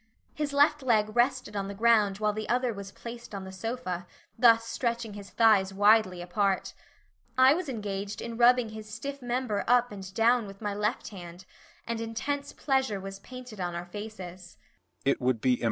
His left leg rested on the ground while the other was placed on the sofa, thus stretching his thighs widely apart. I was engaged in rubbing his stiff member up and down with my left hand, and intense pleasure was painted on our faces.